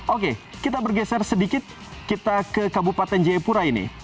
oke kita bergeser sedikit kita ke kabupaten jayapura ini